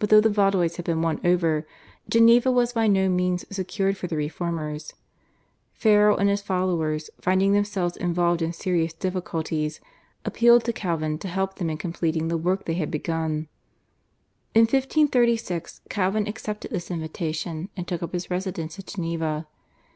But though the Vaudois had been won over, Geneva was by no means secured for the reformers. Farel and his followers, finding themselves involved in serious difficulties, appealed to Calvin to help them in completing the work they had begun. In 1536 Calvin accepted this invitation, and took up his residence at Geneva.